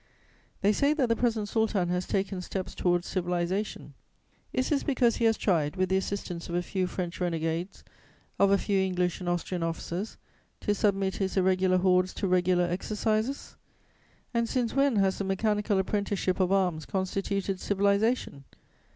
They say that the present Sultan has taken steps towards civilization: is this because he has tried, with the assistance of a few French renegades, of a few English and Austrian officers, to submit his irregular hordes to regular exercises? And since when has the mechanical apprenticeship of arms constituted civilization?